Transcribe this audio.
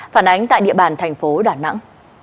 phản ánh tại địa bàn thành phố đà nẵng